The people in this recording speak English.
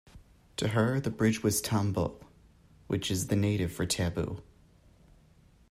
To her the bridge was tambo, which is the native for taboo.